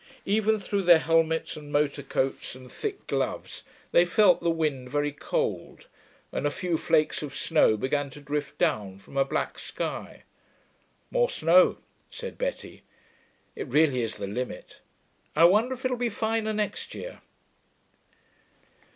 Even through their helmets and motorcoats and thick gloves they felt the wind very cold, and a few flakes of snow began to drift down from a black sky. 'More snow,' said Betty. 'It really is the limit.... I wonder if it'll be finer next year.'